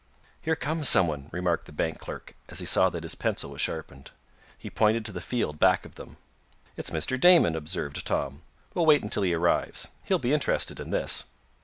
"Here comes someone," remarked the bank clerk, as he saw that his pencil was sharpened. He pointed to the field back of them. "It's Mr. Damon," observed Tom. "We'll wait until he arrives. He'll be interested in this."